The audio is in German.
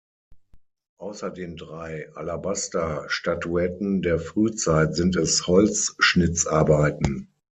Außer den drei Alabaster-Statuetten der Frühzeit sind es Holzschnitzarbeiten.